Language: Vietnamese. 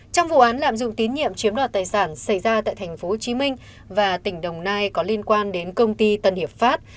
trong vụ án lạm dụng tín nhiệm chiếm đoạt tài sản xảy ra tại tp hcm và tỉnh đồng nai có liên quan đến công ty tân hiệp pháp